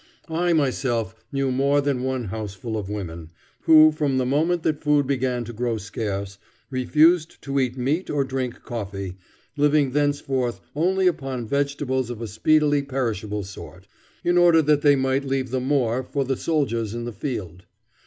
I myself knew more than one houseful of women, who, from the moment that food began to grow scarce, refused to eat meat or drink coffee, living thenceforth only upon vegetables of a speedily perishable sort, in order that they might leave the more for the soldiers in the field.